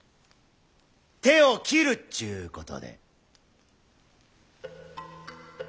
手を切るっちゅうことで。